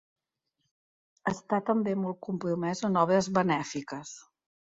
Està també molt compromès en obres benèfiques.